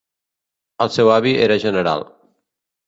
El seu avi era general.